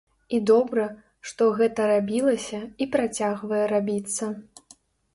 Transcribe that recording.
І добра, што гэта рабілася і працягвае рабіцца.